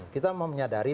kita mau menyadari